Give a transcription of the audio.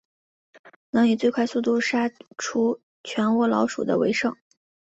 能以最快速度杀除全窝老鼠的为胜。